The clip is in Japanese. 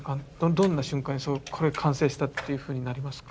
どんな瞬間にこれは完成したっていうふうになりますか？